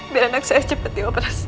biar anak saya cepat di operasi